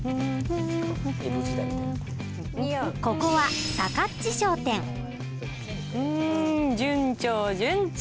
ここは順調順調。